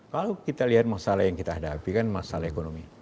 kalau kita lihat masalah yang kita hadapi kan masalah ekonomi